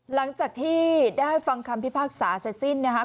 หลังจากที่ได้ฟังคำพิพากษาเสร็จสิ้นนะคะ